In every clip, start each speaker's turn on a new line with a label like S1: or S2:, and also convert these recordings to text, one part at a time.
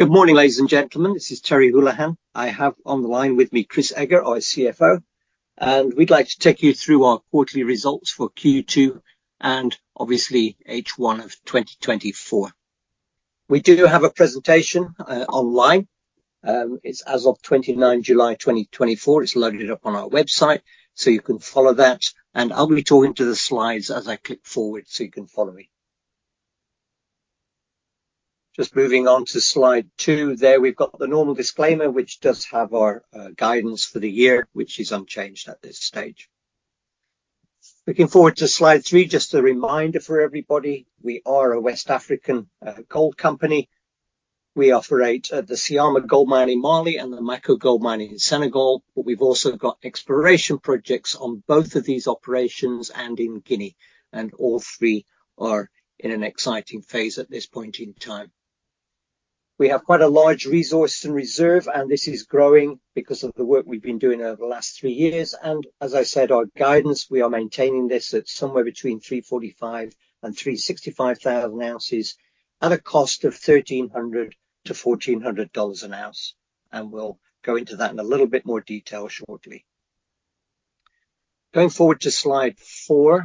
S1: Good morning, ladies and gentlemen. This is Terry Holohan. I have on the line with me Chris Eger, our CFO, and we'd like to take you through our quarterly results for Q2 and obviously H1 of 2024. We do have a presentation online. It's as of 29 July 2024. It's loaded up on our website, so you can follow that. I'll be talking to the slides as I click forward so you can follow me. Just moving on to Slide 2, there we've got the normal disclaimer, which does have our guidance for the year, which is unchanged at this stage. Looking forward to Slide 3. Just a reminder for everybody, we are a West African gold company. We operate at the Syama Gold Mine in Mali and the Mako Gold Mine in Senegal, but we've also got exploration projects on both of these operations and in Guinea, and all three are in an exciting phase at this point in time. We have quite a large resource and reserve, and this is growing because of the work we've been doing over the last 3 years. As I said, our guidance, we are maintaining this at somewhere between 345,000 and 365,000 ounces at a cost of $1,300-$1,400 an ounce. We'll go into that in a little bit more detail shortly. Going forward to Slide 4, if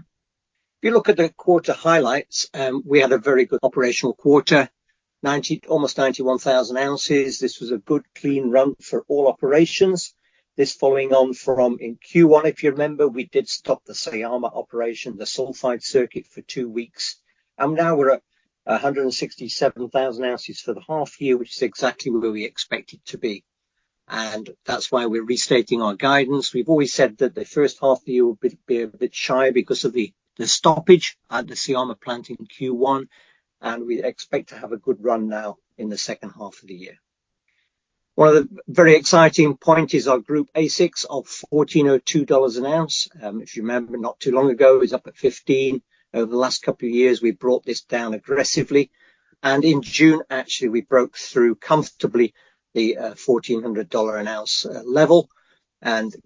S1: you look at the quarter highlights, we had a very good operational quarter, almost 91,000 ounces. This was a good clean run for all operations. This following on from in Q1, if you remember, we did stop the Syama operation, the sulfide circuit for two weeks. And now we're at 167,000 ounces for the half year, which is exactly where we expected to be. And that's why we're restating our guidance. We've always said that the first half of the year will be a bit shy because of the stoppage at the Syama plant in Q1, and we expect to have a good run now in the second half of the year. One of the very exciting points is our group AISC of $1,402 an ounce. If you remember, not too long ago, it was up at $1,500. Over the last couple of years, we brought this down aggressively. And in June, actually, we broke through comfortably the $1,400 an ounce level.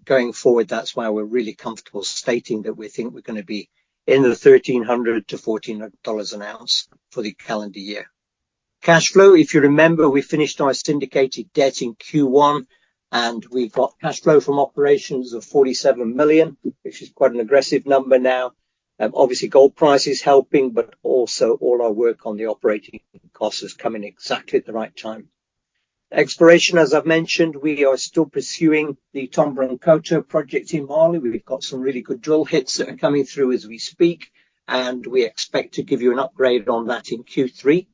S1: Going forward, that's why we're really comfortable stating that we think we're going to be in the $1,300-$1,400 an ounce for the calendar year. Cash flow, if you remember, we finished our syndicated debt in Q1, and we've got cash flow from operations of $47 million, which is quite an aggressive number now. Obviously, gold price is helping, but also all our work on the operating costs is coming exactly at the right time. Exploration, as I've mentioned, we are still pursuing the Tomboronkoto project in Mali. We've got some really good drill hits that are coming through as we speak, and we expect to give you an upgrade on that in Q3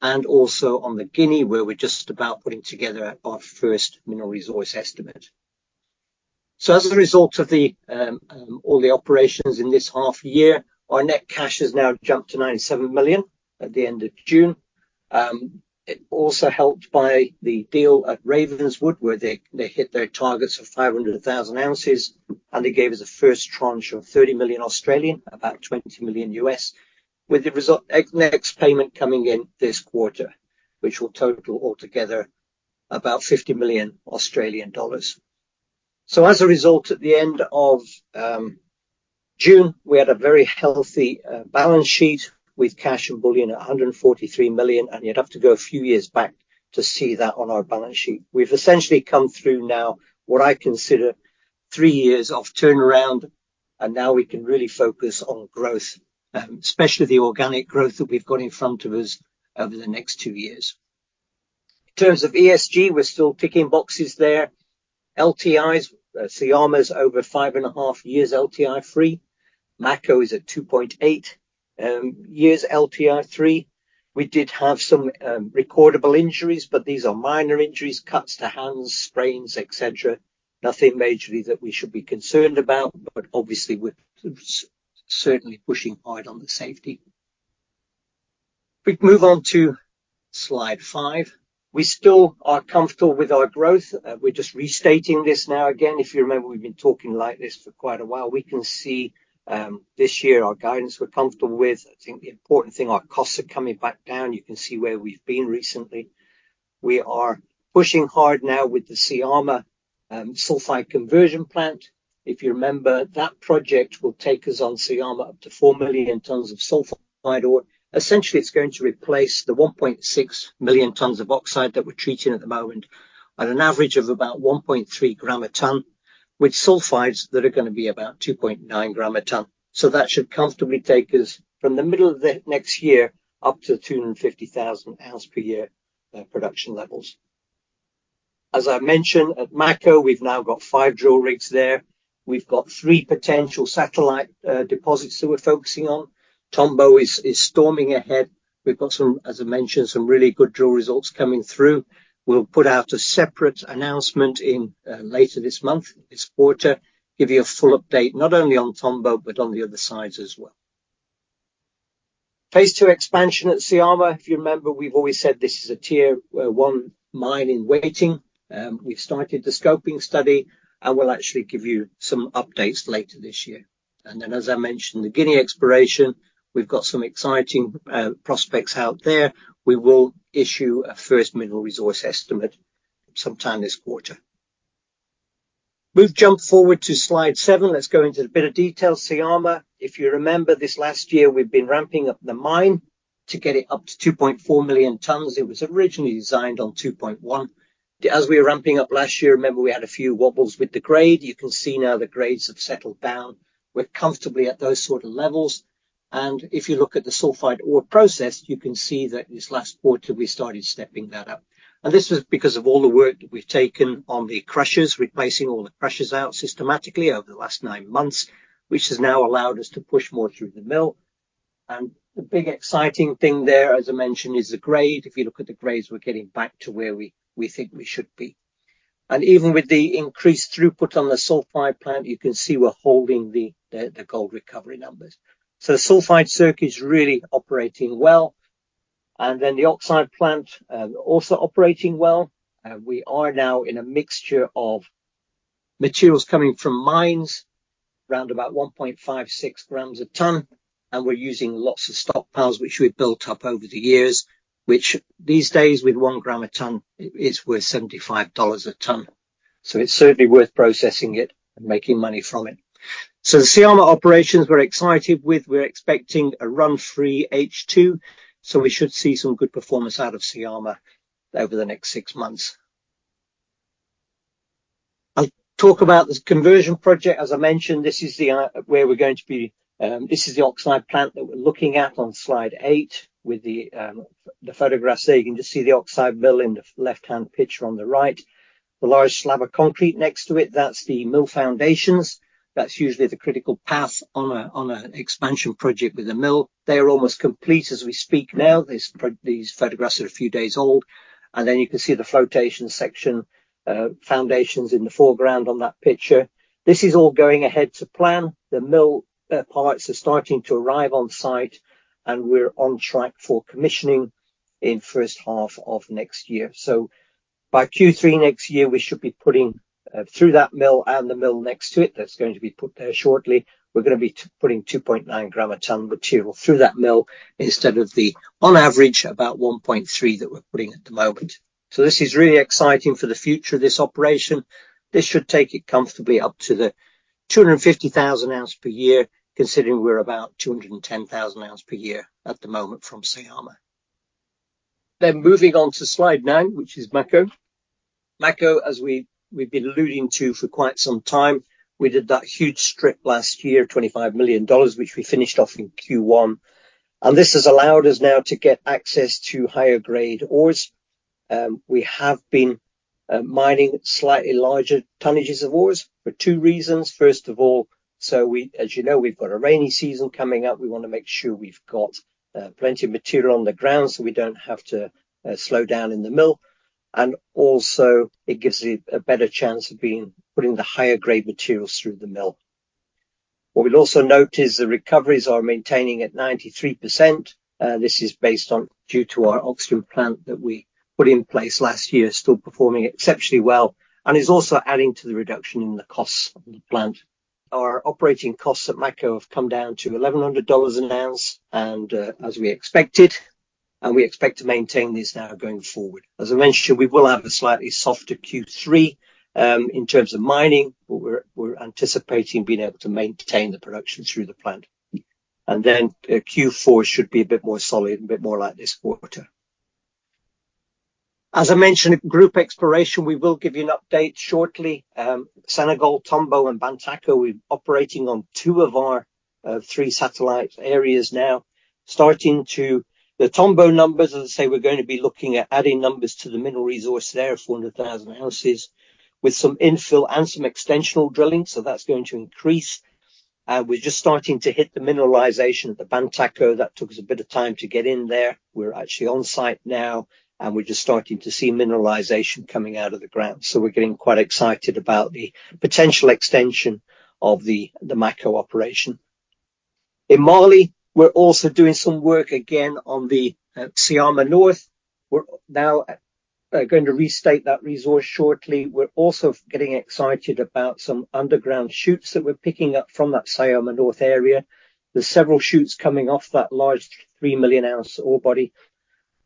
S1: and also on Guinea, where we're just about putting together our first mineral resource estimate. So as a result of all the operations in this half year, our net cash has now jumped to $97 million at the end of June. It also helped by the deal at Ravenswood, where they hit their targets of 500,000 ounces, and they gave us a first tranche of 30 million, about $20 million, with the next payment coming in this quarter, which will total altogether about 50 million Australian dollars. So as a result, at the end of June, we had a very healthy balance sheet with cash and bullion at $143 million, and you'd have to go a few years back to see that on our balance sheet. We've essentially come through now what I consider 3 years of turnaround, and now we can really focus on growth, especially the organic growth that we've got in front of us over the next 2 years. In terms of ESG, we're still ticking boxes there. LTIs, Syama's over 5.5 years LTI free. Mako is at 2.8 years LTI free. We did have some recordable injuries, but these are minor injuries, cuts to hands, sprains, etc. Nothing majorly that we should be concerned about, but obviously we're certainly pushing hard on the safety. We can move on to Slide 5. We still are comfortable with our growth. We're just restating this now again. If you remember, we've been talking like this for quite a while. We can see this year our guidance we're comfortable with. I think the important thing, our costs are coming back down. You can see where we've been recently. We are pushing hard now with the Syama sulfide conversion plant. If you remember, that project will take us on Syama up to 4 million tons of sulfide. Essentially, it's going to replace the 1.6 million tons of oxide that we're treating at the moment at an average of about 1.3 gram a ton, with sulfides that are going to be about 2.9 gram a ton. So that should comfortably take us from the middle of the next year up to 250,000 ounce per year production levels. As I mentioned, at Mako, we've now got 5 drill rigs there. We've got 3 potential satellite deposits that we're focusing on. Tombo is storming ahead. We've got some, as I mentioned, some really good drill results coming through. We'll put out a separate announcement later this month, this quarter, give you a full update not only on Tombo but on the other sides as well. Phase 2 expansion at Syama. If you remember, we've always said this is a tier one mine in waiting. We've started the scoping study, and we'll actually give you some updates later this year. And then, as I mentioned, the Guinea exploration, we've got some exciting prospects out there. We will issue a first mineral resource estimate sometime this quarter. We've jumped forward to slide seven. Let's go into a bit of detail. Syama, if you remember, this last year we've been ramping up the mine to get it up to 2.4 million tons. It was originally designed on 2.1. As we were ramping up last year, remember we had a few wobbles with the grade. You can see now the grades have settled down. We're comfortably at those sort of levels. And if you look at the sulfide ore process, you can see that this last quarter we started stepping that up. And this was because of all the work that we've taken on the crushers, replacing all the crushers out systematically over the last nine months, which has now allowed us to push more through the mill. And the big exciting thing there, as I mentioned, is the grade. If you look at the grades, we're getting back to where we think we should be. And even with the increased throughput on the sulfide plant, you can see we're holding the gold recovery numbers. So the sulfide circuit is really operating well. And then the oxide plant also operating well. We are now in a mixture of materials coming from mines, around about 1.56 grams a ton, and we're using lots of stockpiles, which we've built up over the years, which these days with 1 gram a ton, it's worth $75 a ton. So it's certainly worth processing it and making money from it. So the Syama operations we're excited with. We're expecting a run-free H2, so we should see some good performance out of Syama over the next six months. I'll talk about the conversion project. As I mentioned, this is where we're going to be. This is the oxide plant that we're looking at on slide 8 with the photographs. There you can just see the oxide mill in the left-hand picture on the right. The large slab of concrete next to it, that's the mill foundations. That's usually the critical path on an expansion project with a mill. They are almost complete as we speak now. These photographs are a few days old. And then you can see the flotation section foundations in the foreground on that picture. This is all going ahead to plan. The mill parts are starting to arrive on site, and we're on track for commissioning in the first half of next year. So by Q3 next year, we should be putting through that mill and the mill next to it that's going to be put there shortly. We're going to be putting 2.9 gram a ton material through that mill instead of the on average about 1.3 that we're putting at the moment. So this is really exciting for the future of this operation. This should take it comfortably up to the 250,000 ounces per year, considering we're about 210,000 ounces per year at the moment from Syama. Moving on to Slide 9, which is Mako. Mako, as we've been alluding to for quite some time, we did that huge strip last year, $25 million, which we finished off in Q1. This has allowed us now to get access to higher grade ores. We have been mining slightly larger tonnages of ores for two reasons. First of all, so as you know, we've got a rainy season coming up. We want to make sure we've got plenty of material on the ground so we don't have to slow down in the mill. Also, it gives a better chance of putting the higher grade materials through the mill. What we'll also note is the recoveries are maintaining at 93%. This is based on due to our oxygen plant that we put in place last year, still performing exceptionally well, and is also adding to the reduction in the costs of the plant. Our operating costs at Mako have come down to $1,100 an ounce, and as we expected, and we expect to maintain this now going forward. As I mentioned, we will have a slightly softer Q3 in terms of mining, but we're anticipating being able to maintain the production through the plant. And then Q4 should be a bit more solid, a bit more like this quarter. As I mentioned, group exploration, we will give you an update shortly. Senegal, Tombo, and Bantaco, we're operating on two of our three satellite areas now. Starting to the Tombo numbers, as I say, we're going to be looking at adding numbers to the mineral resource there of 400,000 ounces with some infill and some extensional drilling. So that's going to increase. And we're just starting to hit the mineralization at the Bantaco. That took us a bit of time to get in there. We're actually on site now, and we're just starting to see mineralization coming out of the ground. So we're getting quite excited about the potential extension of the Mako operation. In Mali, we're also doing some work again on the Syama North. We're now going to restate that resource shortly. We're also getting excited about some underground shoots that we're picking up from that Syama North area. There's several shoots coming off that large 3-million-ounce ore body,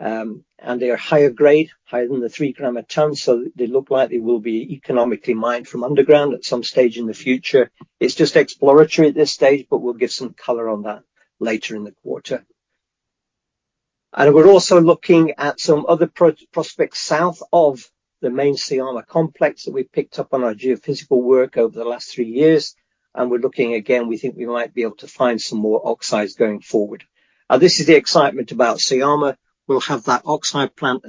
S1: and they are higher grade, higher than the 3 gram a ton, so they look like they will be economically mined from underground at some stage in the future. It's just exploratory at this stage, but we'll give some color on that later in the quarter. We're also looking at some other prospects south of the main Syama complex that we've picked up on our geophysical work over the last three years. We're looking again, we think we might be able to find some more oxides going forward. This is the excitement about Syama. We'll have that oxide plant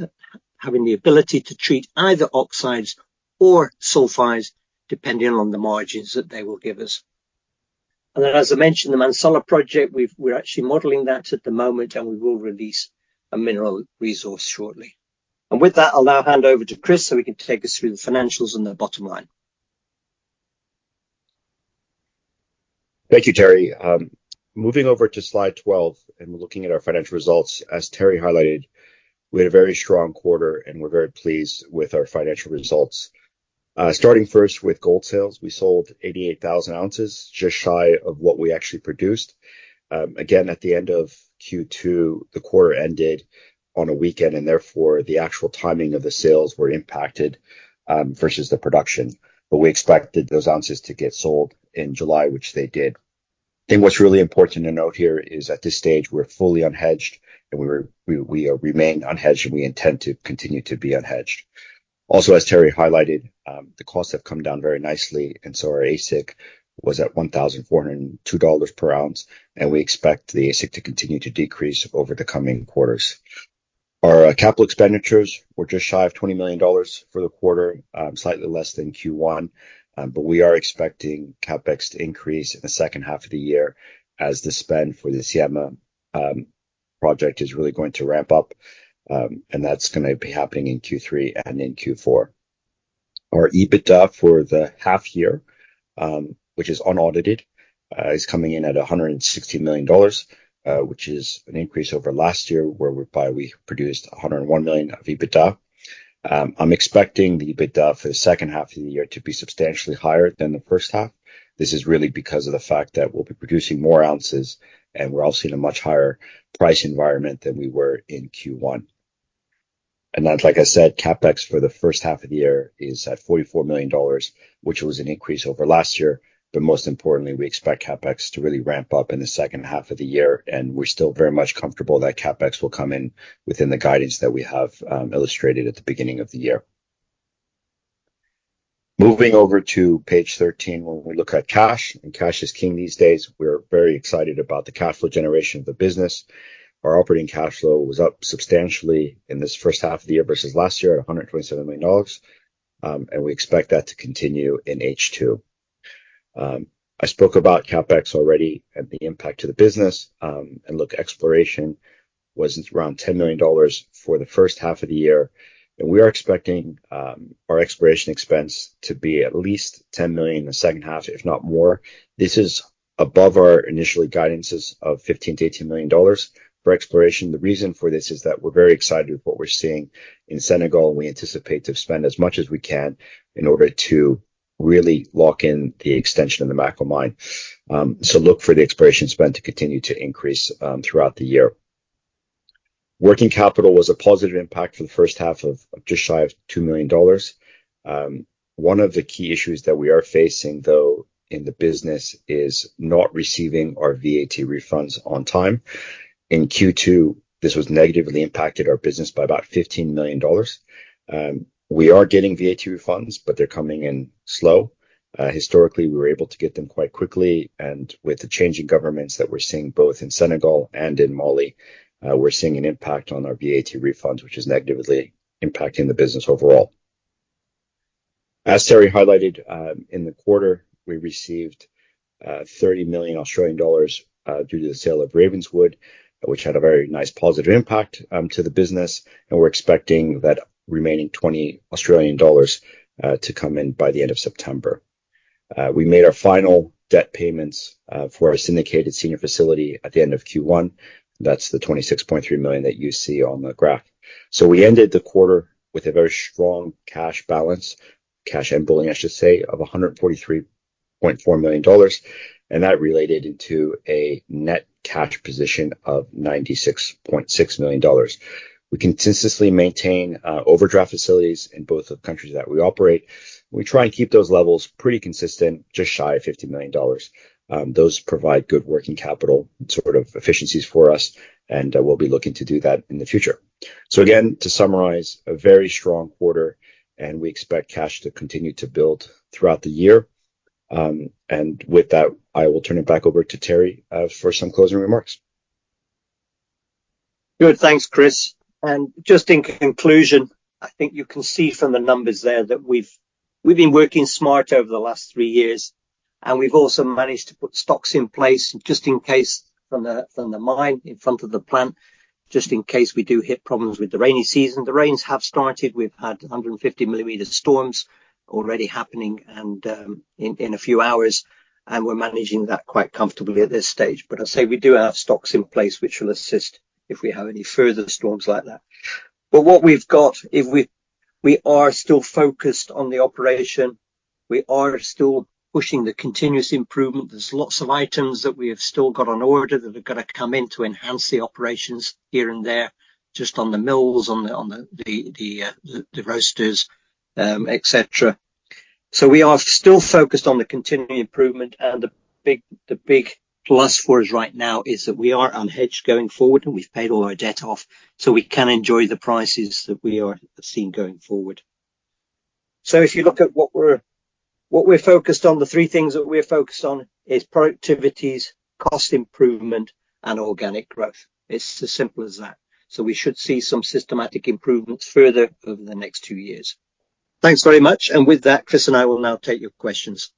S1: having the ability to treat either oxides or sulfides, depending on the margins that they will give us. And then, as I mentioned, the Mansala project, we're actually modeling that at the moment, and we will release a mineral resource shortly. And with that, I'll now hand over to Chris so he can take us through the financials and the bottom line.
S2: Thank you, Terry. Moving over to Slide 12 and looking at our financial results, as Terry highlighted, we had a very strong quarter, and we're very pleased with our financial results. Starting first with gold sales, we sold 88,000 ounces, just shy of what we actually produced. Again, at the end of Q2, the quarter ended on a weekend, and therefore the actual timing of the sales were impacted versus the production. But we expected those ounces to get sold in July, which they did. I think what's really important to note here is at this stage, we're fully unhedged, and we remain unhedged, and we intend to continue to be unhedged. Also, as Terry highlighted, the costs have come down very nicely, and so our AISC was at $1,402 per ounce, and we expect the AISC to continue to decrease over the coming quarters. Our capital expenditures were just shy of $20 million for the quarter, slightly less than Q1, but we are expecting CapEx to increase in the second half of the year as the spend for the Syama project is really going to ramp up, and that's going to be happening in Q3 and in Q4. Our EBITDA for the half year, which is unaudited, is coming in at $160 million, which is an increase over last year where we produced $101 million of EBITDA. I'm expecting the EBITDA for the second half of the year to be substantially higher than the first half. This is really because of the fact that we'll be producing more ounces, and we're also in a much higher price environment than we were in Q1. And then, like I said, CapEx for the first half of the year is at $44 million, which was an increase over last year. But most importantly, we expect CapEx to really ramp up in the second half of the year, and we're still very much comfortable that CapEx will come in within the guidance that we have illustrated at the beginning of the year. Moving over to page 13, when we look at cash, and cash is king these days, we're very excited about the cash flow generation of the business. Our operating cash flow was up substantially in this first half of the year versus last year at $127 million, and we expect that to continue in H2. I spoke about CapEx already and the impact to the business, and look, exploration was around $10 million for the first half of the year. We are expecting our exploration expense to be at least $10 million in the second half, if not more. This is above our initial guidances of $15-$18 million for exploration. The reason for this is that we're very excited with what we're seeing in Senegal, and we anticipate to spend as much as we can in order to really lock in the extension of the Mako mine. Look for the exploration spend to continue to increase throughout the year. Working capital was a positive impact for the first half of just shy of $2 million. One of the key issues that we are facing, though, in the business is not receiving our VAT refunds on time. In Q2, this was negatively impacted our business by about $15 million. We are getting VAT refunds, but they're coming in slow. Historically, we were able to get them quite quickly, and with the changing governments that we're seeing both in Senegal and in Mali, we're seeing an impact on our VAT refunds, which is negatively impacting the business overall. As Terry highlighted in the quarter, we received 30 million Australian dollars due to the sale of Ravenswood, which had a very nice positive impact to the business, and we're expecting that remaining 20 million Australian dollars to come in by the end of September. We made our final debt payments for our syndicated senior facility at the end of Q1. That's the $26.3 million that you see on the graph. So we ended the quarter with a very strong cash balance, cash and borrowings, I should say, of $143.4 million, and that translated into a net cash position of $96.6 million. We consistently maintain overdraft facilities in both the countries that we operate. We try and keep those levels pretty consistent, just shy of $50 million. Those provide good working capital sort of efficiencies for us, and we'll be looking to do that in the future. So again, to summarize, a very strong quarter, and we expect cash to continue to build throughout the year. And with that, I will turn it back over to Terry for some closing remarks.
S1: Good. Thanks, Chris. In conclusion, I think you can see from the numbers there that we've been working smart over the last three years, and we've also managed to put stocks in place just in case from the mine in front of the plant, just in case we do hit problems with the rainy season. The rains have started. We've had 150 millimeters of storms already happening in a few hours, and we're managing that quite comfortably at this stage. But I say we do have stocks in place, which will assist if we have any further storms like that. But what we've got, we are still focused on the operation. We are still pushing the continuous improvement. There's lots of items that we have still got on order that are going to come in to enhance the operations here and there, just on the mills, on the roasters, etc. So we are still focused on the continuing improvement, and the big plus for us right now is that we are unhedged going forward, and we've paid all our debt off, so we can enjoy the prices that we are seeing going forward. So if you look at what we're focused on, the three things that we're focused on are productivities, cost improvement, and organic growth. It's as simple as that. So we should see some systematic improvements further over the next two years. Thanks very much. And with that, Chris and I will now take your questions.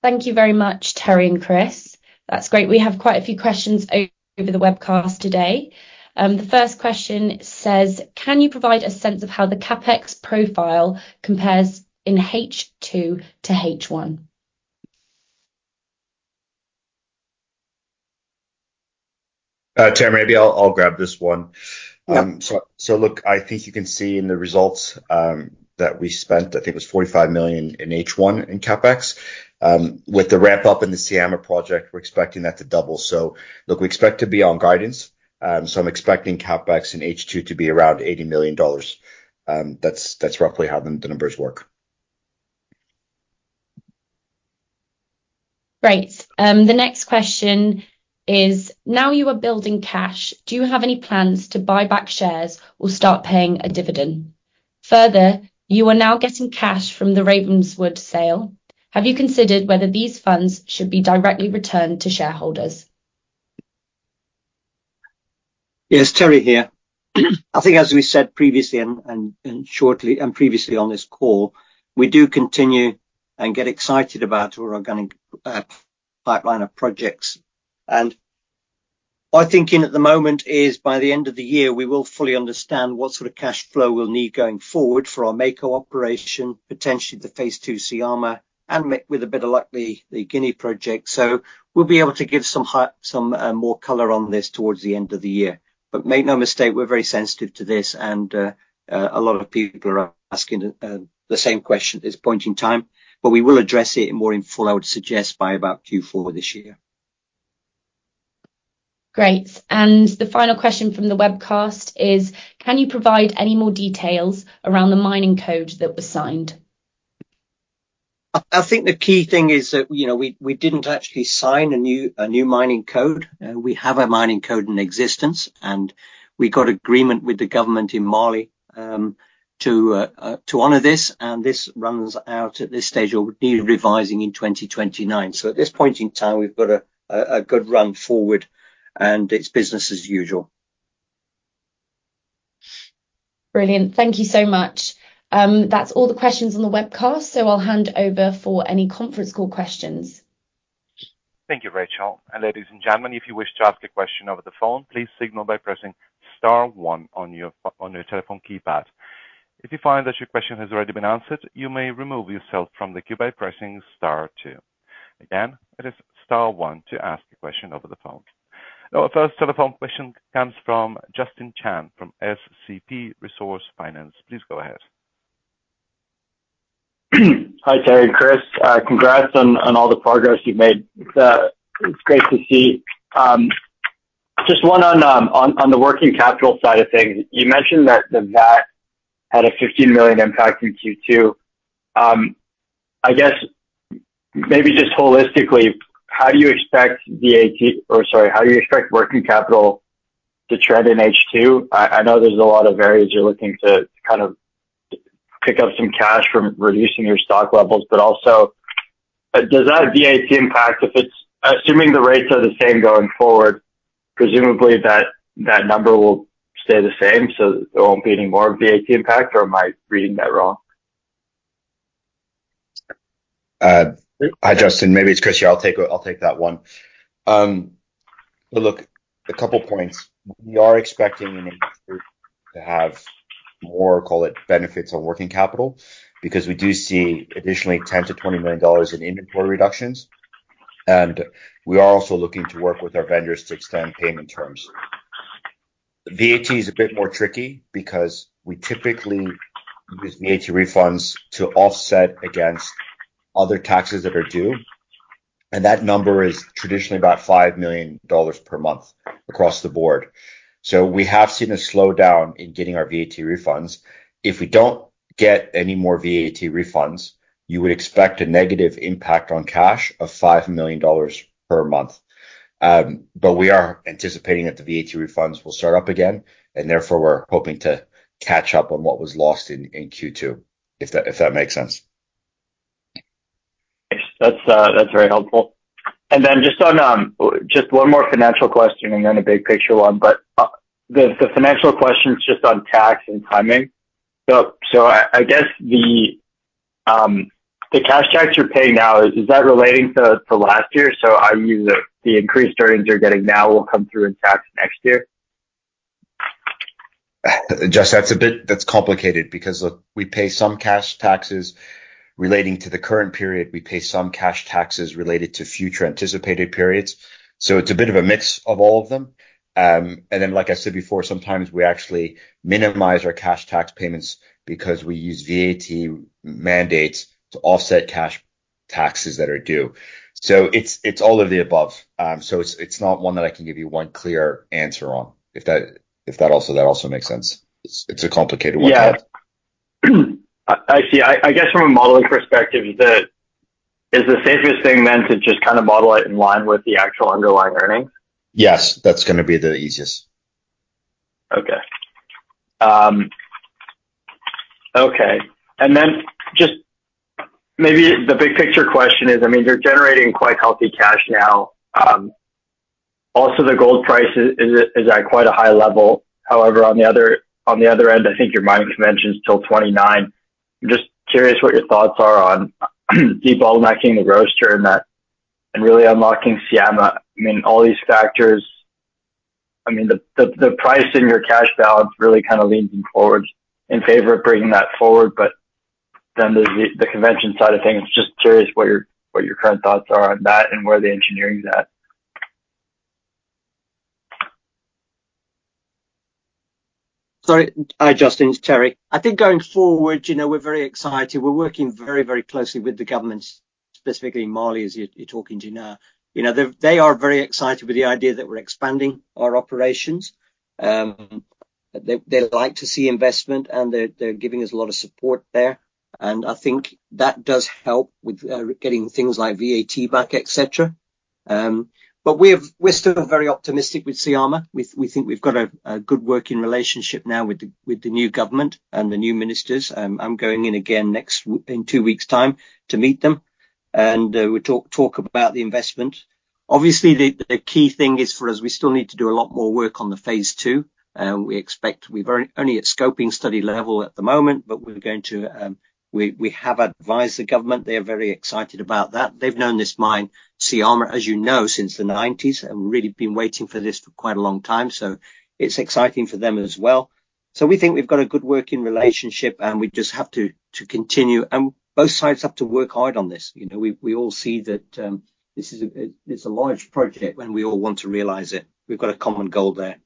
S3: Thank you very much, Terry and Chris. That's great. We have quite a few questions over the webcast today. The first question says, "Can you provide a sense of how the CapEx profile compares in H2 to H1?"
S2: Terry, maybe I'll grab this one. So look, I think you can see in the results that we spent, I think it was $45 million in H1 in CapEx. With the ramp-up in the Syama project, we're expecting that to double. So look, we expect to be on guidance. So I'm expecting CapEx in H2 to be around $80 million. That's roughly how the numbers work.
S3: Right. The next question is, "Now you are building cash, do you have any plans to buy back shares or start paying a dividend? Further, you are now getting cash from the Ravenswood sale. Have you considered whether these funds should be directly returned to shareholders?"
S1: Yes, Terry here. I think as we said previously and previously on this call, we do continue and get excited about our organic pipeline of projects. My thinking at the moment is by the end of the year, we will fully understand what sort of cash flow we'll need going forward for our Mako operation, potentially the Phase 2 Syama, and with a bit of luck the Guinea project. So we'll be able to give some more color on this towards the end of the year. But make no mistake, we're very sensitive to this, and a lot of people are asking the same question at this point in time, but we will address it more in full, I would suggest, by about Q4 this year.
S3: Great. The final question from the webcast is, "Can you provide any more details around the mining code that was signed?"
S1: I think the key thing is that we didn't actually sign a new mining code. We have a mining code in existence, and we got agreement with the government in Mali to honor this, and this runs out at this stage or needs revising in 2029. So at this point in time, we've got a good run forward, and it's business as usual. Brilliant.
S3: Thank you so much. That's all the questions on the webcast, so I'll hand over for any conference call questions.
S4: Thank you, Rachel. And ladies and gentlemen, if you wish to ask a question over the phone, please signal by pressing Star 1 on your telephone keypad. If you find that your question has already been answered, you may remove yourself from the queue by pressing star two. Again, it is star one to ask a question over the phone. Our first telephone question comes from Justin Chan from SCP Resource Finance. Please go ahead.
S5: Hi, Terry and Chris. Congrats on all the progress you've made. It's great to see. Just one on the working capital side of things. You mentioned that the VAT had a $15 million impact in Q2. I guess maybe just holistically, how do you expect VAT or sorry, how do you expect working capital to trend in H2? I know there's a lot of areas you're looking to kind of pick up some cash from reducing your stock levels, but also does that VAT impact, assuming the rates are the same going forward, presumably that number will stay the same, so there won't be any more VAT impact, or am I reading that wrong?
S2: Hi, Justin. Maybe it's Chris here. I'll take that one. Look, a couple of points. We are expecting to have more, call it, benefits on working capital because we do see additionally $10 million-$20 million in inventory reductions, and we are also looking to work with our vendors to extend payment terms. VAT is a bit more tricky because we typically use VAT refunds to offset against other taxes that are due, and that number is traditionally about $5 million per month across the board. So we have seen a slowdown in getting our VAT refunds. If we don't get any more VAT refunds, you would expect a negative impact on cash of $5 million per month. But we are anticipating that the VAT refunds will start up again, and therefore we're hoping to catch up on what was lost in Q2, if that makes sense.
S5: That's very helpful. And then just one more financial question and then a big picture one, but the financial question is just on tax and timing. So I guess the cash tax you're paying now, is that relating to last year? So the increased earnings you're getting now will come through in tax next year?
S2: Justin, that's complicated because look, we pay some cash taxes relating to the current period. We pay some cash taxes related to future anticipated periods. So it's a bit of a mix of all of them. And then, like I said before, sometimes we actually minimize our cash tax payments because we use VAT refunds to offset cash taxes that are due. So it's all of the above. So it's not one that I can give you one clear answer on, if that also makes sense. It's a complicated one.
S5: Yeah. I see.
S1: I guess from a modeling perspective, is the safest thing then to just kind of model it in line with the actual underlying earnings?
S2: Yes. That's going to be the easiest.
S5: Okay. Okay. And then just maybe the big picture question is, I mean, you're generating quite healthy cash now. Also, the gold price is at quite a high level. However, on the other end, I think your mining convention is till 2029. I'm just curious what your thoughts are on de-bottlenecking the roaster and really unlocking Syama. I mean, all these factors, I mean, the price in your cash balance really kind of leans forward in favor of bringing that forward. But then there's the convention side of things. Just curious what your current thoughts are on that and where the engineering is at.
S1: Sorry. Hi, Justin. It's Terry. I think going forward, we're very excited. We're working very, very closely with the governments, specifically in Mali, as you're talking to now. They are very excited with the idea that we're expanding our operations. They like to see investment, and they're giving us a lot of support there. I think that does help with getting things like VAT back, etc. We're still very optimistic with Syama. We think we've got a good working relationship now with the new government and the new ministers. I'm going in again in two weeks' time to meet them and talk about the investment. Obviously, the key thing is for us, we still need to do a lot more work on the Phase 2. We expect we're only at scoping study level at the moment, but we have advised the government. They are very excited about that. They've known this mine, Syama, as you know, since the 1990s, and we've really been waiting for this for quite a long time. So it's exciting for them as well. So we think we've got a good working relationship, and we just have to continue. And both sides have to work hard on this. We all see that this is a large project when we all want to realize it. We've got a common goal there.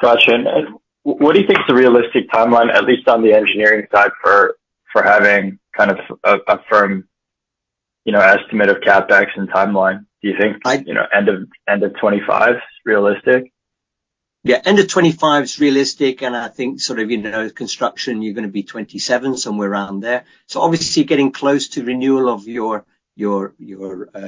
S5: Gotcha. And what do you think is a realistic timeline, at least on the engineering side, for having kind of a firm estimate of CapEx and timeline? Do you think end of 2025 is realistic?
S1: Yeah. End of 2025 is realistic, and I think sort of construction, you're going to be 2027, somewhere around there. So obviously, getting close to renewal of your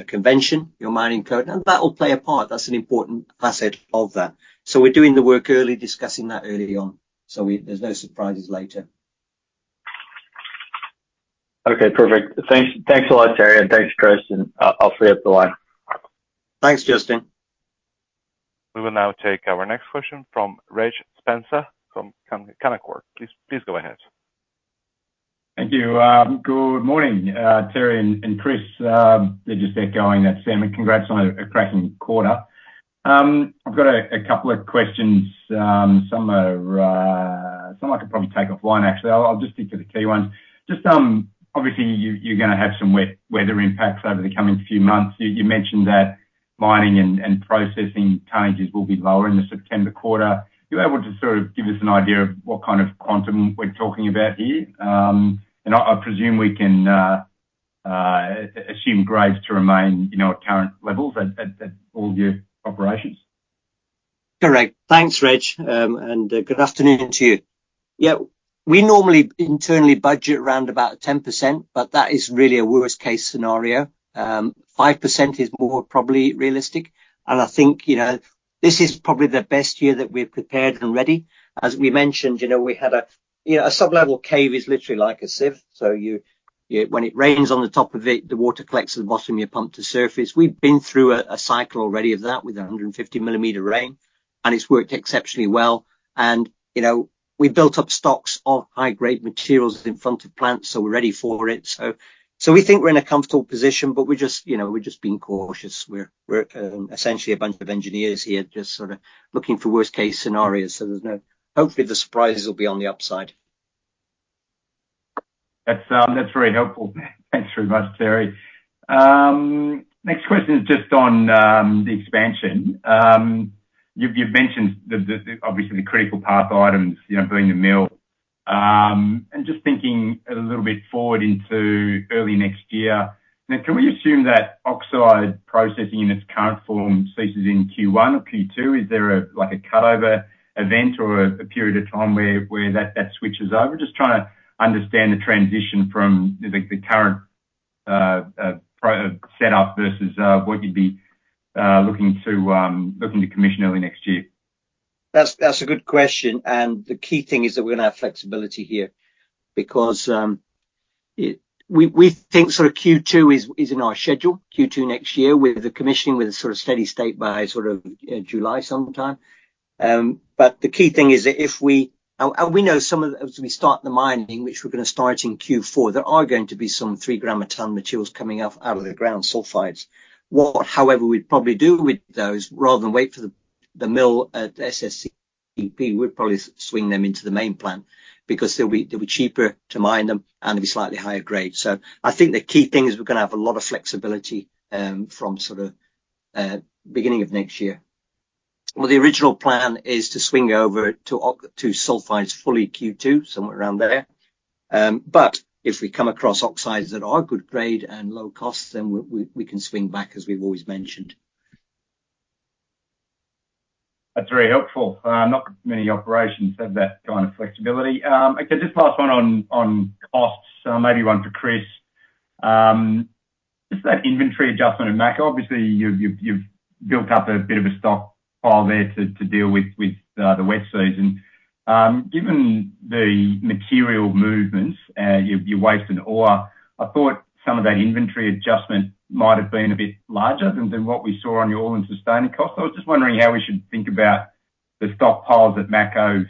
S1: convention, your mining code, and that will play a part. That's an important facet of that. So we're doing the work early, discussing that early on. So there's no surprises later.
S5: Okay. Perfect. Thanks a lot, Terry. And thanks, Chris. And I'll free up the line.
S1: Thanks, Justin.
S4: We will now take our next question from Reg Spencer from Canaccord. Please go ahead.
S6: Thank you. Good morning, Terry and Chris. They just got going. That's Sam. Congrats on a cracking quarter. I've got a couple of questions. Some I could probably take offline, actually. I'll just stick to the key ones. Just obviously, you're going to have some weather impacts over the coming few months. You mentioned that mining and processing charges will be lower in the September quarter. You're able to sort of give us an idea of what kind of quantum we're talking about here? I presume we can assume grades to remain at current levels at all of your operations? Correct.
S1: Thanks, Reg. Good afternoon to you. Yeah. We normally internally budget around about 10%, but that is really a worst-case scenario. 5% is more probably realistic. I think this is probably the best year that we've prepared and ready. As we mentioned, we had a sub-level cave is literally like a sieve. So when it rains on the top of it, the water collects at the bottom, you're pumped to surface. We've been through a cycle already of that with 150 rain, and it's worked exceptionally well. We've built up stocks of high-grade materials in front of plants, so we're ready for it. We think we're in a comfortable position, but we're just being cautious. We're essentially a bunch of engineers here just sort of looking for worst-case scenarios. So hopefully, the surprises will be on the upside.
S6: That's very helpful. Thanks very much, Terry. Next question is just on the expansion. You've mentioned obviously the critical path items, doing the mill. Just thinking a little bit forward into early next year, can we assume that oxide processing in its current form ceases in Q1 or Q2? Is there a cutover event or a period of time where that switches over? Just trying to understand the transition from the current setup versus what you'd be looking to commission early next year.
S1: That's a good question. The key thing is that we're going to have flexibility here because we think sort of Q2 is in our schedule, Q2 next year with the commissioning, with a sort of steady state by sort of July sometime. But the key thing is that if we—and we know some of the—as we start the mining, which we're going to start in Q4, there are going to be some 3 gram a ton materials coming out of the ground, sulfides. What, however, we'd probably do with those rather than wait for the mill at SSCP, we'd probably swing them into the main plant because they'll be cheaper to mine them and they'll be slightly higher grade. So I think the key thing is we're going to have a lot of flexibility from sort of beginning of next year. The original plan is to swing over to sulfides fully Q2, somewhere around there. But if we come across oxides that are good grade and low cost, then we can swing back as we've always mentioned.
S6: That's very helpful. Not many operations have that kind of flexibility. Okay. Just last one on costs, maybe one for Chris. Just that inventory adjustment in Mako, obviously, you've built up a bit of a stockpile there to deal with the wet season. Given the material movements, your waste and ore, I thought some of that inventory adjustment might have been a bit larger than what we saw on your all-in sustaining costs. I was just wondering how we should think about the stockpiles at Mako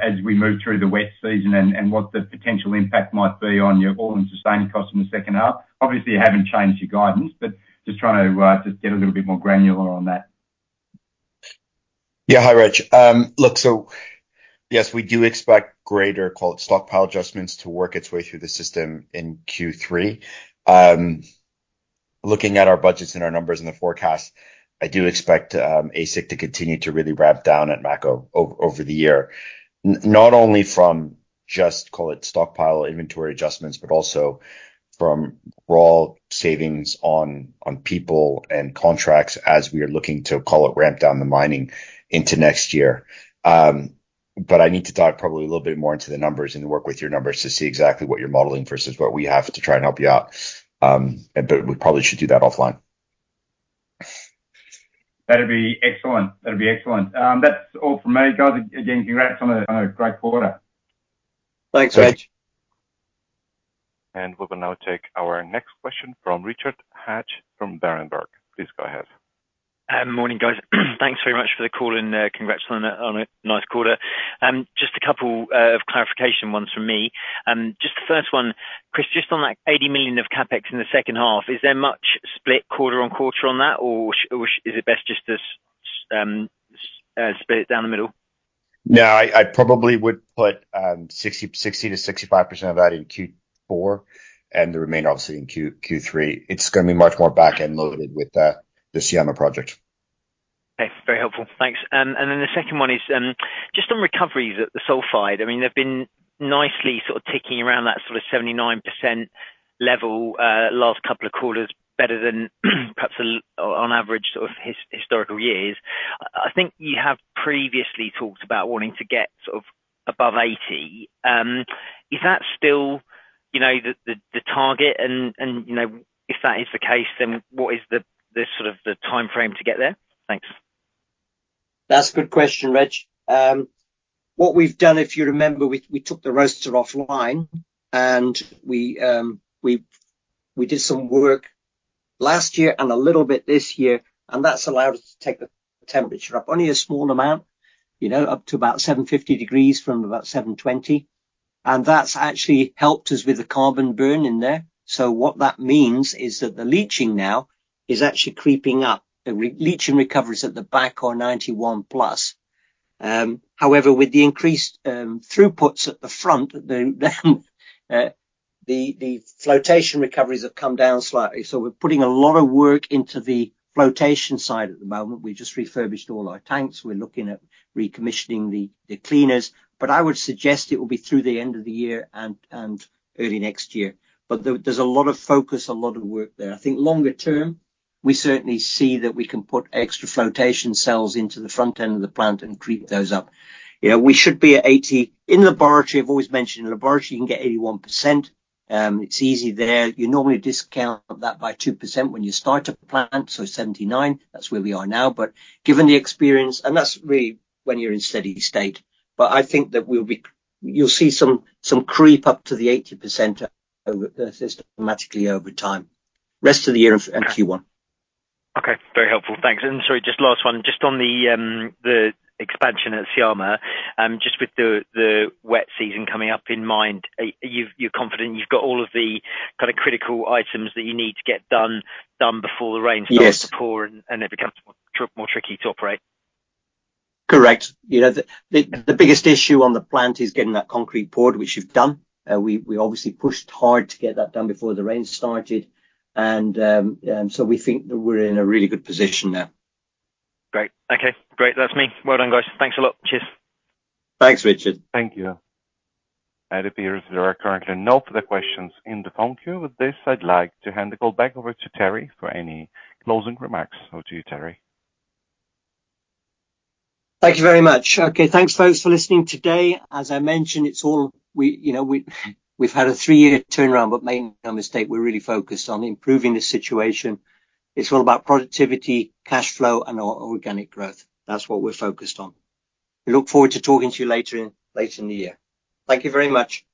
S6: as we move through the wet season and what the potential impact might be on your all-in sustaining costs in the second half. Obviously, you haven't changed your guidance, but just trying to just get a little bit more granular on that.
S2: Yeah. Hi, Reg. Look, so yes, we do expect greater stockpile adjustments to work its way through the system in Q3. Looking at our budgets and our numbers and the forecast, I do expect AISC to continue to really ramp down at Mako over the year, not only from just, call it, stockpile inventory adjustments, but also from raw savings on people and contracts as we are looking to, call it, ramp down the mining into next year. But I need to dive probably a little bit more into the numbers and work with your numbers to see exactly what you're modeling versus what we have to try and help you out. But we probably should do that offline.
S6: That'd be excellent. That'd be excellent. That's all from me, guys. Again, congrats on a great quarter.
S1: Thanks, Reg.
S4: And we will now take our next question from Richard Hatch from Berenberg. Please go ahead.
S7: Morning, guys. Thanks very much for the call and congrats on a nice quarter. Just a couple of clarification ones from me. Just the first one, Chris, just on that $80 million of CapEx in the second half, is there much split quarter on quarter on that, or is it best just to split it down the middle?
S2: No, I probably would put 60%-65% of that in Q4 and the remainder obviously in Q3. It's going to be much more back-end loaded with the Syama project.
S7: Okay. Very helpful. Thanks. And then the second one is just on recoveries at the sulfide. I mean, they've been nicely sort of ticking around that sort of 79% level last couple of quarters, better than perhaps on average sort of historical years. I think you have previously talked about wanting to get sort of above 80%. Is that still the target? If that is the case, then what is the sort of timeframe to get there?
S1: Thanks. That's a good question, Rich. What we've done, if you remember, we took the roaster offline, and we did some work last year and a little bit this year, and that's allowed us to take the temperature up only a small amount, up to about 750 degrees from about 720. That's actually helped us with the carbon burn in there. So what that means is that the leaching now is actually creeping up. Leaching recoveries at the back are 91+. However, with the increased throughputs at the front, the flotation recoveries have come down slightly. So we're putting a lot of work into the flotation side at the moment. We just refurbished all our tanks. We're looking at recommissioning the cleaners. I would suggest it will be through the end of the year and early next year. There's a lot of focus, a lot of work there. I think longer term, we certainly see that we can put extra flotation cells into the front end of the plant and creep those up. We should be at 80. In laboratory, I've always mentioned in laboratory, you can get 81%. It's easy there. You normally discount that by 2% when you start a plant, so 79. That's where we are now. Given the experience, and that's really when you're in steady state. I think that you'll see some creep up to the 80% systematically over time. Rest of the year, in Q1.
S7: Okay. Very helpful. Thanks. Sorry, just last one. Just on the expansion at Syama, just with the wet season coming up in mind, you're confident you've got all of the kind of critical items that you need to get done before the rain starts to pour and it becomes more tricky to operate?
S1: Correct. The biggest issue on the plant is getting that concrete poured, which you've done. We obviously pushed hard to get that done before the rain started. And so we think that we're in a really good position now.
S7: Great. Okay. Great. That's me. Well done, guys. Thanks a lot. Cheers.
S4: Thanks, Richard. Thank you. It appears, there are currently no further questions in the phone queue with this. I'd like to hand the call back over to Terry for any closing remarks. Over to you, Terry.
S1: Thank you very much. Okay. Thanks, folks, for listening today. As I mentioned, it's all we've had a three-year turnaround, but make no mistake, we're really focused on improving the situation. It's all about productivity, cash flow, and our organic growth. That's what we're focused on. We look forward to talking to you later in the year. Thank you very much.